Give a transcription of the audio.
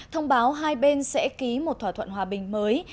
thông báo hai bên sẽ ký một thỏa thuận hòa bình mới